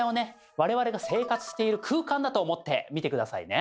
我々が生活している空間だと思って見て下さいね。